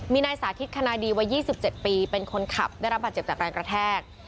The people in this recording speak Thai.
มีนายสาธิตคณะดีวัย๒๗ปีเป็นคนขับได้รับบาดเจ็บจากแรงกระแทก